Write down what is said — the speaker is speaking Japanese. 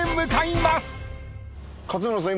勝村さん。